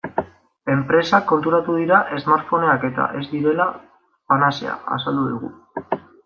Enpresak konturatu dira smartphoneak-eta ez direla panazea, azaldu digu.